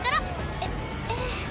えっええ。